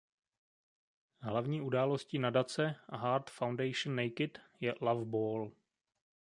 Hlavní událostí nadace Heart Foundation Naked je "Love Ball".